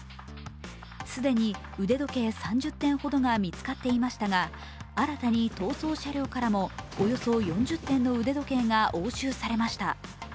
既に腕時計３０点ほどが見つかっていましたが新たに逃走車両からもおよそ４０点の腕時計が押収されました。